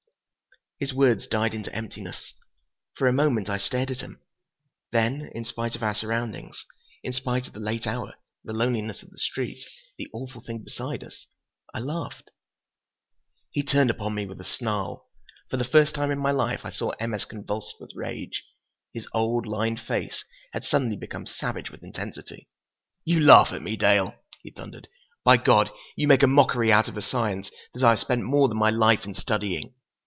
His words died into emptiness. For a moment I stared at him. Then, in spite of our surroundings, in spite of the late hour, the loneliness of the street, the awful thing beside us, I laughed. He turned upon me with a snarl. For the first time in my life I saw M. S. convulsed with rage. His old, lined face had suddenly become savage with intensity. "You laugh at me, Dale," he thundered. "By God, you make a mockery out of a science that I have spent more than my life in studying!